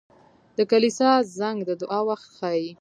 • د کلیسا زنګ د دعا وخت ښيي.